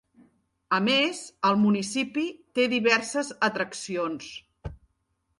A més, el municipi té diverses atraccions.